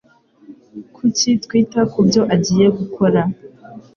Kuki twita kubyo agiye gukora?